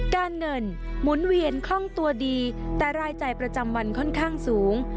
การเงินหมุนเวียนคล่องตัวดีแต่รายจ่ายประจำวันค่อนข้างสูง